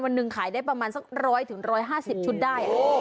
หนึ่งขายได้ประมาณสัก๑๐๐๑๕๐ชุดได้